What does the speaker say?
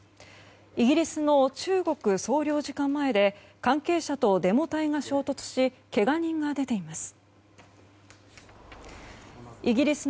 イギリスの中国総領事館前で関係者とデモ隊が衝突しけが人が出ています。